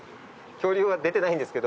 恐竜は出てないです。